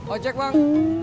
oh jack bang